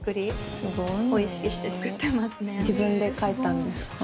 自分で描いたんですか？